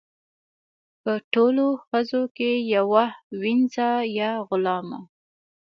په ټولو ښځو کې یوه وینځه یا غلامه.